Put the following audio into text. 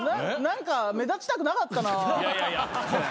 何か目立ちたくなかったなぁ。